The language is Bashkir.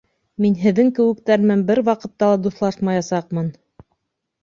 Мин һеҙҙең кеүектәр менән бер ваҡытта ла дуҫлашмаясаҡмын!